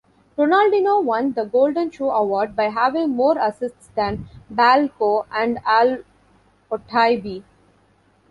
Ronaldinho won the Golden Shoe award by having more assists than Blanco and Al-Otaibi.